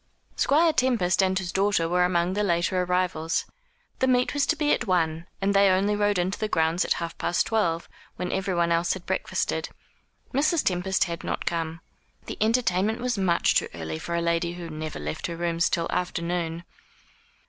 Squire Tempest and his daughter were among the later arrivals. The meet was to be at one, and they only rode into the grounds at half past twelve, when everyone else had breakfasted. Mrs. Tempest had not come. The entertainment was much too early for a lady who never left her rooms till after noon.